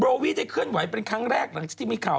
วีได้เคลื่อนไหวเป็นครั้งแรกหลังจากที่มีข่าว